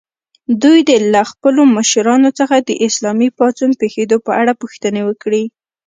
دوی دې له خپلو مشرانو څخه د اسلامي پاڅون پېښېدو په اړه پوښتنې وکړي.